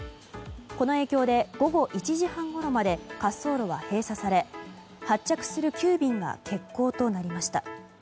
この影響で午後１時半ごろまで滑走路は閉鎖され発着する９便が欠航となりました。